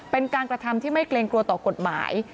เป็นการกระทำที่ไม่เกรงกลัวต่อกฎหมาย